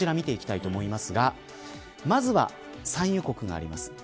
こちらを見ていきたいんですがまずは産油国があります。